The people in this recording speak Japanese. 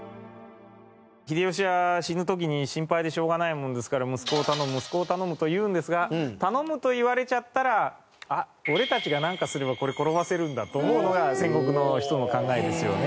秀吉は死ぬ時に心配でしょうがないものですから「息子を頼む息子を頼む」と言うんですが頼むと言われちゃったら俺たちがなんかすればこれ転がせるんだと思うのが戦国の人の考えですよね。